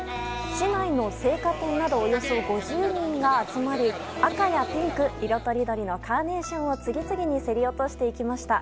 市内の生花店などおよそ５０人が集まり赤やピンク色とりどりのカーネーションを次々に競り落としていきました。